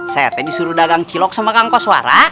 saya tadi disuruh dagang cilok sama kangkos warah